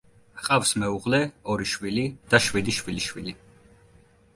ჰყავს მეუღლე, ორი შვილი და შვიდი შვილიშვილი.